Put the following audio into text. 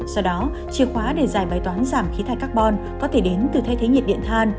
do đó chìa khóa để giải bài toán giảm khí thải carbon có thể đến từ thay thế nhiệt điện than